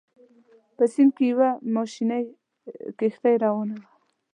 په سیند کې یوه ماشیني کښتۍ راروانه وه.